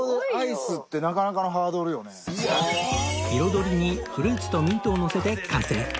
彩りにフルーツとミントをのせて完成